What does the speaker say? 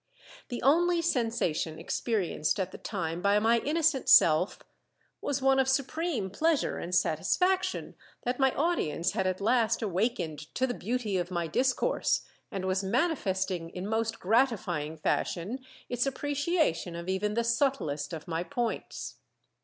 The only sensation experienced at the time by my innocent self was one of supreme pleasure and satisfaction that my audience had at last awakened to the beauty of my discourse, and was manifesting in most gratifying fashion its appreciation of even the subtlest of my points.